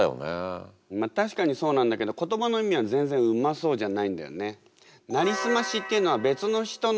確かにそうなんだけど言葉の意味は全然うまそうじゃないんだよね。